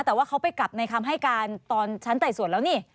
แต่ว่าเขาไปกลับในคำให้การตอนชั้นไต่สวนแล้วนี่